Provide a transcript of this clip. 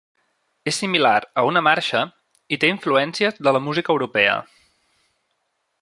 És similar a una marxa i té influències de la música europea.